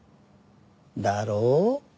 だろう？